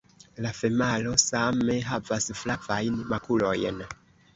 La femalo same havas flavajn makulojn.